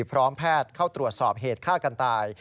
พร้อมแพทย์เข้าตรวจสอบเหตุฆ่ากันตาย